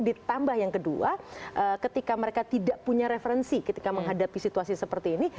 ditambah yang kedua ketika mereka tidak punya referensi ketika menghadapi situasi seperti ini